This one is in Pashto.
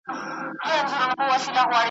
نه یې له تیارې نه له رڼا سره `